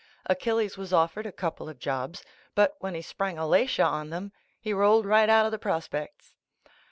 Achilles was offered a couple of jobs but when he sprang Alatia on them, he rolled right out of the prospects.